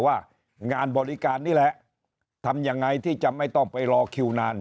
ว่างานบริการนี่แหละทำยังไงที่จะไม่ต้องไปรอคิวนาน